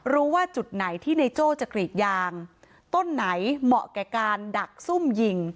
ว่าจุดไหนที่ในโจ้จะกรีดยางต้นไหนเหมาะแก่การดักซุ่มยิง